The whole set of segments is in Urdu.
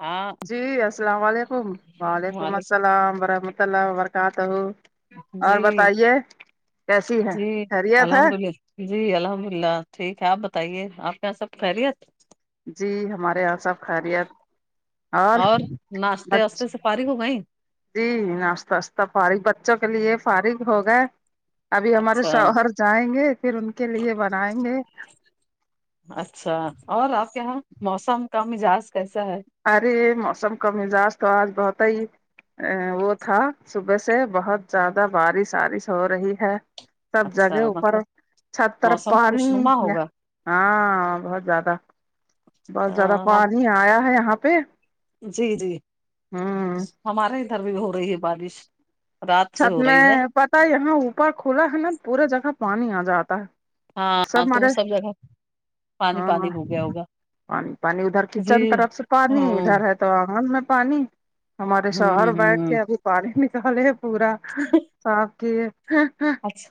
ہاں جی السلام علیکم وعلیکم السلام ورحمۃ اللہ وبرکاتہ جی اور بتائیے کیسی ہے جی خیریت ہے الحمد للہ جی الحمد اللہ ٹھیک ہے آپ بتائیے آپ کے یہاں سب خیریت جی ہمارے یہاں سب خیریت اور ناشتے بچ واستے سے فارغ ہو گئی جی ناشتہ استا فارغ بچوں کے لیے فارغ ہوگئے ابھی ہمارے اچھا شوہر جائیں گے پھر ان کے لیے بنائیں گے اچھا اور آپ کے یہاں موسم کا مزاج کیسا ہے ارے موسم کا مزاج تو آج بہت ہی ا وہ تھا صبح سے بہت زیادہ بارش آرش ہو رہی ہے سب جگہ اچھا اوپر مطلب چھتر موسم خوش پانی نما ہوگا ہاں بہت زیادہ بہت زیادہ ہاں پانی آیا ہے یہاں پہ جی جی ہوں ہمارے ادھر بھی ہو رہی ہے بارش رات سے چھت ہو میں رہی ہے پتا یہاں اوپر کھلا ہے نا پورے جگہ پانی آ جاتا ہے ہاں تو سب جگہ پانی ہاں پانی ہو گیا ہوگا پانی پانی ادھر جی کچن طرف سے پانی ہاں ہوں ادھر ہے تو آگن میں پانی ہمارے شوہر بیٹھ ہوں کے ابھی پانی نکالے ہے پورا صاف کی ہے اچھا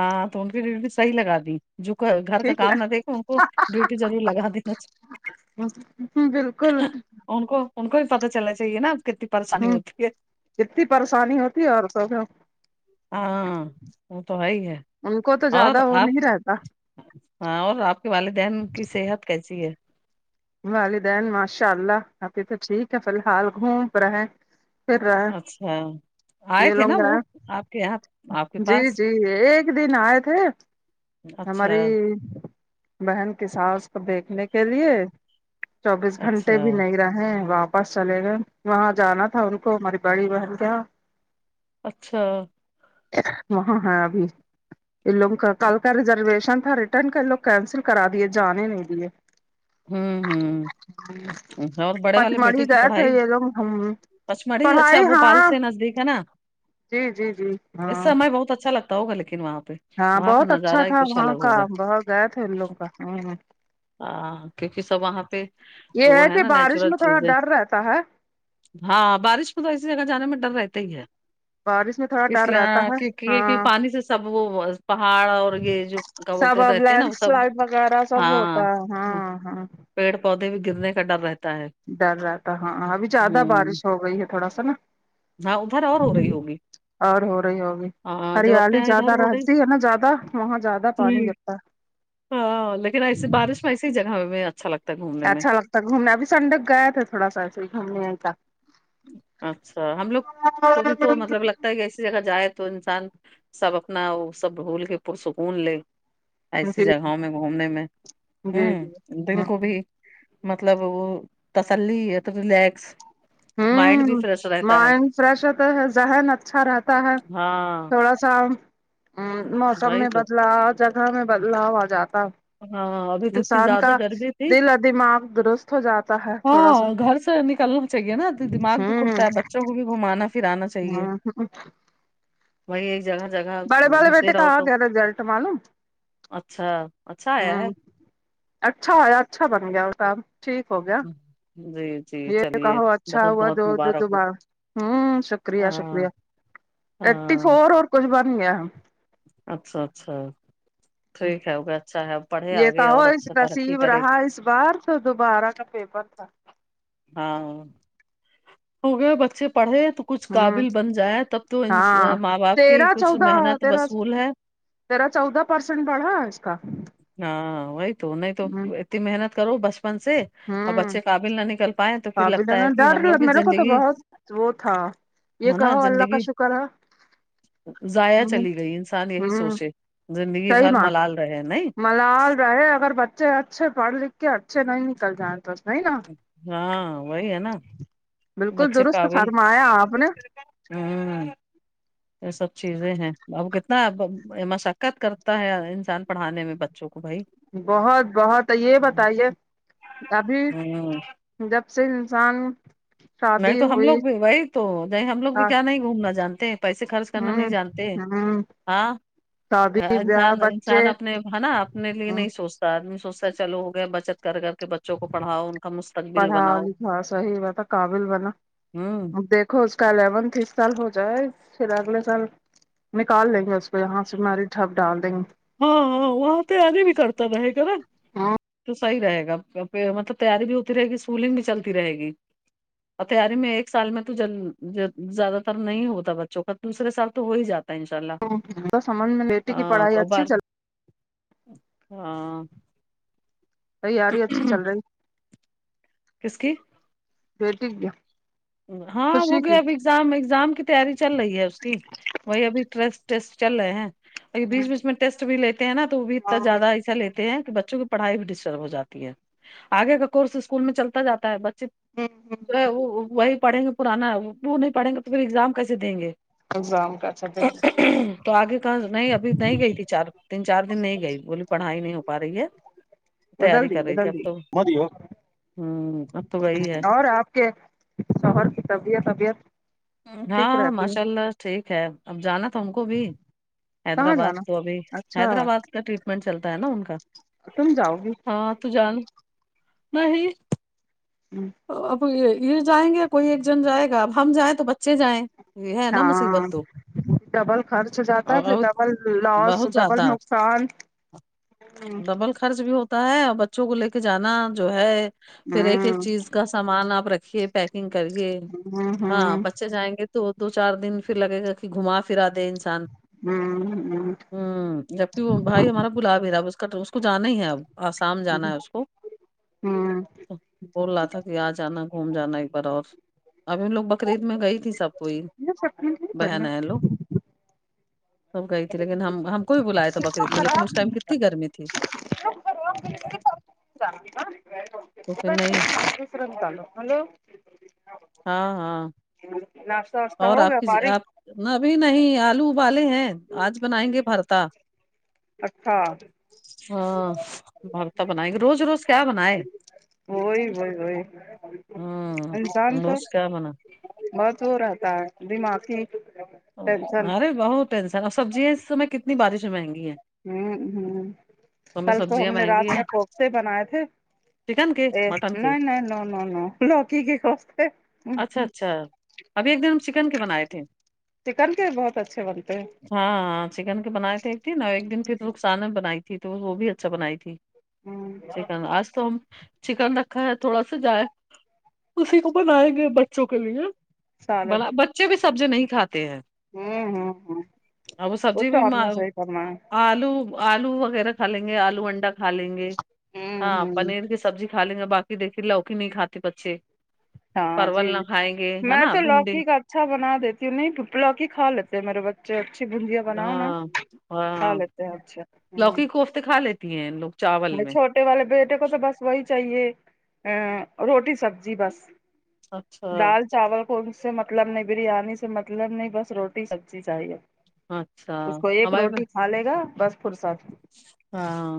ہاں تو ان کی ڈیوٹی بھی صحیح لگا دی جو گھر کا ٹھیک کام نہ دیکھے ان کو ڈیوٹی ضرور لگا دینا چاہی بالکل ان کو ان کو بھی پتا چلنا چاہیے نا کتنی پریشانی ہوتی ہے جتنی پریشانی ہوتی ہے اور سب ہاں وہ تو ہے ہی ہے ان کو تو زیادہ اور وہ آپ نہیں رہتا ہاں اور آپ کے والدین کی صحت کیسی ہے والدین ماشاء اللہ ابھی تو ٹھیک ہے فی الحال گھوم رہے پھر رہے اچھا آئے یہ تھے لوں نا گا وہ آپ کے یہاں آپ کے جی پاس جی ایک دن آئے تھے ہماری اچھا بہن کے ساس کو دیکھنے کے لیے چوبیس گھنٹے اچھا بھی نہیں رہے وہ آپ پاس چلے گئے وہاں جانا تھا ان کو ہماری بڑی بہن کے ہاں اچھا وہاں ہیں ابھی ان لوگوں کا کل کا ریزرویشن تھا رٹ ٹرن کر لو کینسل کرا دیے جانے نہیں دیے امم امم پت مڑی گیا تھا یہ لوگ ہم پچ مڑی اچھا پڑھائی بھوپال ہاں سے نزدیک ہے نا جی جی جی اس ہاں سمے بہت اچھا لگ تا ہوا لیکن وہاں پہ ہاں وہاں کا بہت اچھا نظارہ ہی تھا کچھ وہاں الگ کا ہوگا بہت گئے تھے ان لوگ کا امم امم ہاں کیونکہ سب وہاں پہ یہ وہ ہے کہ نا بارش نیچرل میں تھوڑا چیزیں ڈر رہتا ہے ہاں بارش میں تو ایسی جگہ جانے میں ڈر رہتا ہی ہے بارش میں تھوڑا اس ڈر لیے رہتا ہاں ہے کیونکہ ہاں پانی سے سب وہ پہاڑ اور یہ جو کیا سب بولتے اب رہتے نا لینڈ وہ سب سلائڈ وغیرہ سب ہاں ہوتا ہے امم ہاں ہاں پیڑ پودے بھی گرنے کا ڈر رہتا ہے ڈر رہتا ہاں ابھی زیادہ ہوں بارش ہو گئی ہے تھوڑا سا نا ہاں ادھر اور ہو رہی ہوگی اور ہو رہی ہوگی ہاں جب اپنے ہریالی یہاں ادھر زیادہ ہو رہی رہتی ہے نا زیادہ وہاں زیادہ پانی جی گرتا ہاں لیکن ایسی بارش میں ایسی ہی جگہ ہمیں اچھا لگ اچھا لگتا گھومنے ابھی سنڈے گئے تھے تھوڑا سا ایسے ہی گھومنے کا اچھا ہم لوگ کو بھی تو مطلب لک تا ایسی جگہ جائے تو انسان سب اپنا سب بھول کے پر سکون لے ایسی جی جگہوں میں گھومنے میں جی جی امم دل کو بھی مطلب وہ تسلی ایک ریلیکس مائنڈ بھی ہوں فریش رہتا ہے مائنڈ فریش ہوتا ہے ذہن اچھا رہتا ہے ہاں تھوڑا سا شام موسم وہی میں تو بدلاؤ جگہ میں بدلاؤ آجاتا ہاں ابھی تو اتنی انسان زیادہ کا گرمی تھی دل اور دماغ درست ہو جاتا ہے تھوڑا سا ہاں گھر نکلنا چاہیے نا دماغ بھی کھلتا ہے بچوں کو بھی گھومانا ہاں وہئی ہے ایک جگہ جگہ بڑے والے گھسے بیٹے کا رہو آ تو گیا ریسلٹ معلوم اچھا اچھا آیا امم ہے اچھا آیا اچھا بن گیا کام ٹھیک ہو گیا جی یہ تو چلیے کہو اچھا بہت ہوا بہت دو دو مبارک ہو دوبار امم ہاں شکریہ شکریہ ترٹھی ہاں فور اور کچھ بن گیا ہے اچھا اچھا ٹھیک ہے اب اچھا ہے اب یہ کہو اس نصیب رہا اس بار تو دوبارہ کا پیپر تھا ہاں ہو گیا بچے پڑھے تو کچھ ہوں قابل بن جائے تب تو ان ہاں ماں باپ کی تیرہ کچھ محنت وصول ہے تیرا چودہ پرسینٹ بڑھا اس کا ہاں وہی تو نہیں تو ہ اتنی محنت کرو بچپن سے اور بچے قابل نہ نکل پائے تو پھر پابی لگتا نا ہے کہ ڈر ہم لوگ کی میرے کو تو زندگی بہت وہ تھا یہ ہے نا کہو اللہ کا زندگی شکر ہے ضائع ہ چلی گئی انسان یہی ہوں سوچے زندگی صحیح بھر ماں ملال رہے نہیں ملال رہے اگر بچے اچھے پڑھ لکھ کے اچھے نہیں نکل جائیں تو وہی نا ہاں وہی ہے نا بالکل بچے درست قابل فرمایا آپ نے ہوں یہ سب چیزیں ہیں اب کتنا مشقت کرتا ہے انسان پڑھانے میں بچوں کو بھائی بہت بہت ہے یہ بتائیے ابھی ہوں جب سے انسان نہیں شادی تو ہم ہوئی لوگ بھی وہی تو نہیں ہم لوگ بھی کیا نہیں گھومنا جانتے پیسے خرچ کرنا نہیں ہوں جانتے ہوں ہاں شادی بیاہ انسان بچے انسان اپنے ہے نا اپنے لیے نہیں سوچ تو آدمی سوچتا ہے چلو ہو گیا بچت کر کے بچوں کو پڑھاؤ ان کا مس پڑھاو لکھاو صحیح بات ہے قابل بنا ہوں دیکھو اس کا الیونتھ اس سال ہو جائے پھر اگلے سال نکال لے گے اس کو یہاں سے مری حب ڈال دیں گے ہاں ہاں وہاں پہ آگے بھی کرتا رہے گا نا گے تو صحیح رہے گا مطلب تیاری بھی ہوتی رہے گی اسکولنگ بھی چلتی رہے گی اور تیاری میں ایک سال میں تو جیا جیا زیادہ تر نہیں ہوتا بچوں کا دوسرے سال تو ہو ہی جاتا ہے ان شاء تود سمجھ میں بیٹی کی پڑھائی اچھی بر چل ہاں تیاری اچھی چل رہی کس کی بیٹی کی ہاں خوشی ہوگیا بھی ایگزام ایگزام کی تیاری چل رہی ہے اس کی وہی ابھی ٹسٹ ٹیسٹ چل رہے ہیں ا بیچ بیچ میں ٹیسٹ بھی لیتے ہیں نا تو وہ بھی اتنا زیادہ ایسا لیتے تے ہیں کہ بچوں کی پڑھائی بھی ڈسٹرب ہو جاتی ہے آگے کا کورس اسکول میں چلتا جاتا ہے بچہ جو ہے وہی پڑھیں گے پرانا وہ نہیں پڑھیں گے تو پھر ایگزام کیسے دیں گے ایگزام کا اچھا کر سکیں تو آگے کہاں نہیں ابھی نہیں گئی تھی چار تین چار دن نہیں گئی بولی پڑھائی نہیں ہو پا رہی ہے تیاری بدل دی کر رہی تھی بدل اب تو دی ہوں اب تو وہی ہے اور آپ کے شوہر کی طبیعت طبیعت ٹھیک ہاں رہتی ہے ماشاء اللہ ٹھیک ہے اب جانا تھا ان کو بھی کہاں حیدرآباد جانا تو ابھی اچھا حیدرآباد کا ٹریٹمنٹ چلتا ہے نا ان کا تم جاؤ گی ہاں تو جان نہیں ہوں اب یہ جائیں گے یا کوئی ایک جنا جائے گا اب ہم جائیں تو بچے جائیں یہ ہے نا مصیبت ہاں تو ڈبل خرچ ہو جاتا ہے اور پھر اور ڈبل لاس بہت ڈبل زیادہ نقصان ہ ڈبل خرچ بھی ہوتا ہے اور بچوں کو لے کے جانا جو ہے پھر ایک ایک ہوں چیز کا سامان آپ رکھیے پیکنگ کریے ہاں بچ ے جائیں گے تو دو چار دن پھر لگے گا کہ گھما پھرا دے انسان ہوں ہوں ہوں جبکہ وہ بھائی ہمارا بلا بھی رہا ہے اب اس کا اس کو جانا ہی ہے اب آسام جانا ہے اس کو ہوں بول رہا تھا کہ آ جانا گھوم جانا ایک بار اور ابھی ان لوگ بکرید میں گئی تھی سب کوئی میرا سپریٹ ہی بہن پڑھا ہے لوگ سب گئی تھی لیکن ہم کو بھی بلایا تھا بکرید میں لیکن خراب اس ٹائم کتنی گرمی تھی [inaudible] تو پھر نہیں ترنت ڈالو ہلو ہاں ہاں ناشتہ واشتہ اور ہو آپ گیا کی ج- فارغ آپ ابھی نہیں آلو ابالے ہیں آج بنائیں گے بھرتا اچھا ہاں بھرتا بنائینگے روز روز کیا بنائے وہی وہی وہی ہوں انسان کو روز کیا بنا بس ہو رہتا ہے دماغ ہی [inaudible] ارے بہت ٹینشن اور سبزیاں اس سمے کتنی بارش میں مہنگی ہیں ہوں ہوں ہمیں کل تو ہم سبزیاں نے مہنگی رات میں ہیں کوفتے بنائے تھے چکن کے ا مٹن کے نہیں نہیں نو نو نو لوکی کے کوفتے اچھا اچھا ابھی ایک دن ہم چکن کے بنائے تھے چکن کے بہت اچھے بنتے ہیں ہاں ہاں چکن کے بنائے تھے ایک دن اور ایک دن پھر رخسانہ بنائی تھی تو وہ بھی اچھا بنائی تھی ہ چکن آج تو ہم چکن رکھا ہے تھوڑا سا جائے اسی کو بنائیں گے بچوں کے لیے سالن بڑا بچے بھی سبزی نہیں کھاتے ہیں ہوں ہ ہ ہاں وہ سبزی بھی تو آپ نے معلوم صحیح فرمایا آلو آلو وغیرہ کھا لیں گے آلو انڈا کھا لیں گے ہاں ہوں ہوں پنیر کی سبزی کھالیں گے باقی دیکھیے لوکی نہیں کھاتے بچے ہاں جی پرول نہ کھائیں گے ہے میں نا تو بھنڈی لوکی کا اچھا بنا دیتی ہوں نہیں لوکی کھا لیتے میرے ب اچھی اچھی بندیاں بناؤ نا ہاں کھا لیتے ہیں اچھا ہوں پھر کھا لیتی ہیں ان لوگ چاول میں چھوٹے والے بیٹے کو تو بس وہی چاہیے ا روٹی سبزی بس اچھا دال چاول ان سے مطلب نہیں بریانی سے مطلب نہیں بس روٹی سبزی چاہیے اچھا اس کو ایک ہمارے روٹی میں- کھا لے گا بس فرصت ہاں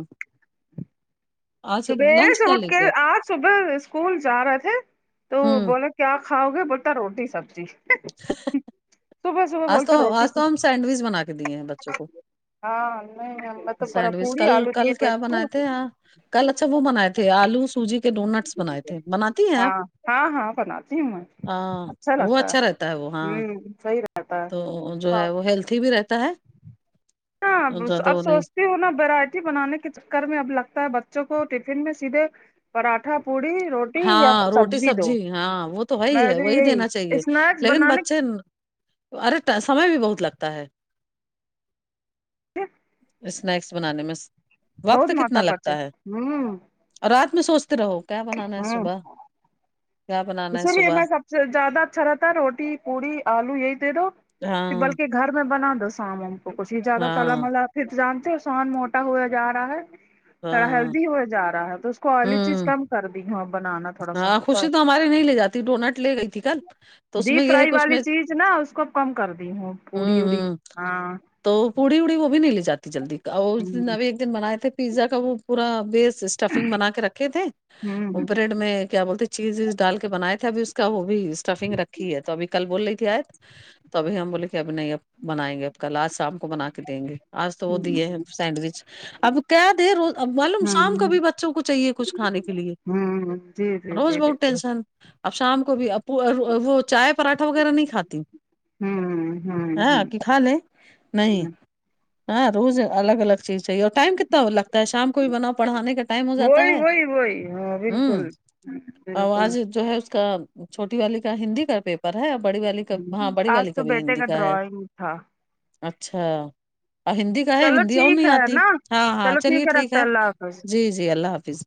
آج صبح لنچ سے کیا اٹھ لے کے گیا آج صبح اس کول جا رہے تھے تو وہ ہوں بولا کیا کھاؤ گے بولتا روٹی سبزی صبح صبح آج تو بولتا روٹی آج تو ہم سبزی سینڈوچ بنا کے دیے ہیں بچوں کو ہاں نہیں ہم سینڈوچ کل کل کیا بنائے تھے ا کل اچھا وہ بنائے تھے آلو سوجی کے ڈونٹس بنائے تھے بناتی ہیں ہاں آپ ہاں ہاں بناتی ہوں میں ہاں وہ اچھا رہتا ہے وہ ہاں ہوں صحیح رہتا ہے تو جو ہاں ہے وہ ہیلتھی بھی رہتا ہے ہاں اور زیادہ اب وہ نہیں سو نا ویرائٹی بنانے کے چکر میں اب لگتا ہے بچوں کو ٹفن میں سیدھے پراٹھا پوڑی رو ہاں روٹی سبزی ہاں وہ تو وہی میں ہے وہی یہی دینا چاہیے اسنیکس لیکن بنانے بچے ارے سمے بھی بہت لگتا ہے کے اسنیکس بنانے میں وقت بہت کتنا ماتا پرچے لگتا ہے ہوں رات میں سوچتے رہو کیا بنانا ہے صبح کیا بنانا اسس ہے لیے صبح میں سب سے زیادہ اچھا رہتا روٹی پوڑی آلو یہی دے دو کہ ہاں بلکہ گھر میں بنا دو سامن کو کچھ ہی زیادہ تالا ہاں ملا پھر جانتے سوحان موٹا ہویا جا رہا ہے تھوڑا ہاں ہیلدی ہویا جارہا ہے تو اویلی چیز ہوں کم کر دی ہوں بنانا تھوڑا سا ہاں خوشی تو ہمارے نہیں لے جاتی ڈونٹ لے گئی ٹھیک ہے تو اس میں ڈیپ یہ ہے فرائی کہ اس والی میں چیز نا اس کو کم کر دی پوڑی ہوں وڑی ہ ہاں تو پوڑی اڑی وہ بھی نی لے جات جلدی کا اور اس دن ہوں میں بھی ایک دن بنائے تھے پیزا کا وہ پورا بیس اسٹف فنگ بنا کے رکھے تھے ہوں اپ بڈ میں کیا بولتے چیز ڈال کے بنائے تھے ابھی اس کا وہ بھی اسٹفنگ رکھی ہے تو ابھی کل بول رہی تھی آئے تو ابھی ہم بولے کہ ابھی نہیں اب بنائیں گے اب کل آج شام کو بنا کے دیں گے آج تو وہ دیے ہے سینڈوچ اب کہہ دے رو معلوم شام کا بھی ب بچوں کو چاہیے کچھ کھانے کے لیے ہوں جی جی روز جی بہت بالکل ٹینشن اب شام کو بھی اب وہ چائے پراٹھا وغیرہ نہیں کھاتی ہوں ہوں ہ کہ ہوں کھا لے نہیں ہاں روز الگ الگ چیز چاہیے اور ٹائم کتتا لگتا ہے شام کو بھی بناؤ پڑھانے کا ٹائم ہو جاتا وہی ہے وہی وہی ہاں ہ بالکل بالکل آواز جو ہے اس کا چھوٹی والی کا ہندی کا پیپر ہے بڑی والی کا ہاں بڑی آج والی تو کا بھی بیٹے ہندی کا ہے ڈرائنگ تھا اچھا اور ہندی کا ہے چلو ہندی اور ٹھیک نہیں ہے آتی نا ہاں ہاں چلو چلیے ٹھیک رکھتے ہے اللہ حافظ جی جی اللہ حافظ